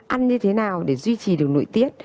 ăn như thế nào để duy trì được nội tiết